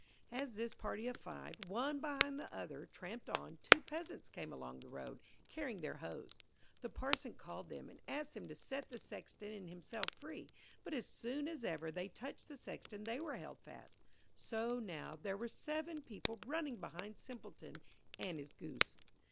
As this party of five, one behind the other, tramped on, two Peasants came along the road, carrying their hoes. The Parson called them, and asked them to set the Sexton and himself free. But as soon as ever they touched the Sexton they were held fast, so now there were seven people running behind Simpleton and his Goose.